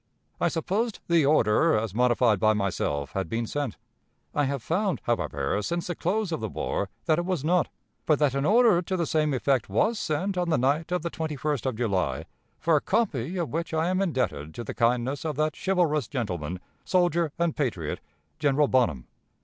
I supposed the order, as modified by myself, had been sent. I have found, however, since the close of the war, that it was not, but that an order to the same effect was sent on the night of the 21st of July, for a copy of which I am indebted to the kindness of that chivalrous gentleman, soldier, and patriot, General Bonham.